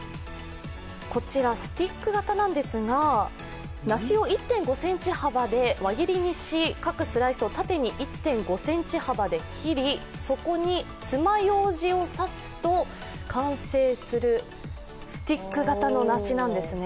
スティック型なんですが、梨を１．５ｃｍ幅で輪切りにし各スライスを縦に１．５ｃｍ幅で切り、そこにつまようじを刺すと完成するスティック型の梨なんですね。